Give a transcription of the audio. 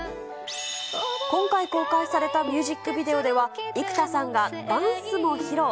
今回公開されたミュージックビデオでは、幾田さんがダンスも披露。